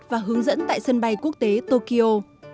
và hướng dẫn tại sân bay quốc tế tokyo